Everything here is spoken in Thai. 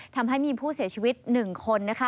ทำให้มีผู้เสียชีวิต๑คน